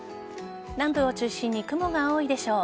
南部を中心に雲が多いでしょう。